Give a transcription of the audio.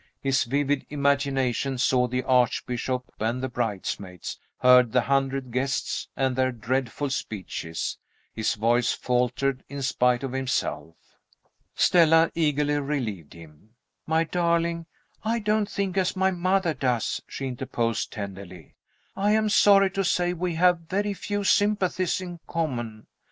His vivid imagination saw the Archbishop and the bridesmaids, heard the hundred guests and their dreadful speeches: his voice faltered, in spite of himself. Stella eagerly relieved him. "My darling, I don't think as my mother does," she interposed, tenderly. "I am sorry to say we have very few sympathies in common.